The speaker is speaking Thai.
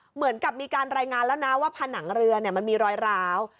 เหมือนกับมีการรายงานแล้วนะว่าผนังเรือมันมีรอยร้าว